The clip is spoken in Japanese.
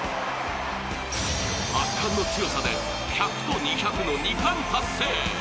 圧巻の強さで１００と２００の２冠達成